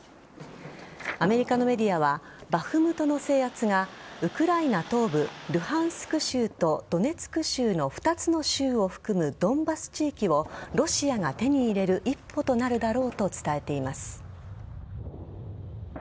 アメリカのメディアはバフムトの制圧がウクライナ東部ルハンスク州とドネツク州の２つの州を含むドンバス地域をロシアが手に入れる一歩となるだろうと伝えています。